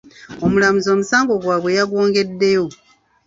Omulamuzi omusango gwabwe yagwongeddeyo .